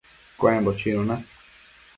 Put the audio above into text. cuembo chuinuna